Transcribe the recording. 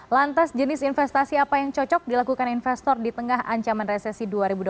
lantas jenis investasi apa yang cocok dilakukan investor di tengah ancaman resesi dua ribu dua puluh tiga